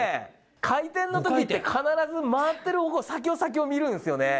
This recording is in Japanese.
回転のときって必ず回ってる方向、先を見るんですね。